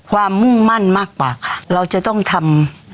มุ่งมั่นมากกว่าเราจะต้องทำ